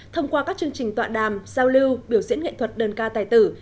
thông qua các chương trình tọa đàm giao lưu biểu diễn nghệ thuật đơn ca tài tử